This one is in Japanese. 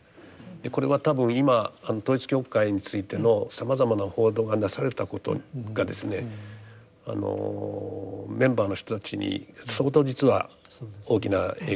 これは多分今統一教会についてのさまざまな報道がなされたことがですねメンバーの人たちに相当実は大きな影響を与えている。